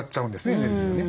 エネルギーをね。